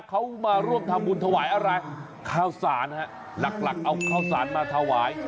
เขามาร่วมทำบุญถวายอะไรข้าวสารฮะหลักเอาข้าวสารมาถวาย